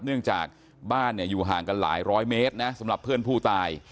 เนื่องจากบ้านเนี่ยอยู่ห่างกันหลายร้อยเมตรนะสำหรับเพื่อนผู้ตาย